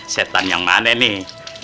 setan yang mana nih